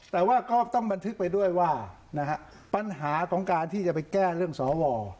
แต่ว่าก็ต้องบันทึกไปด้วยว่านะฮะปัญหาของการที่จะไปแก้เรื่องสว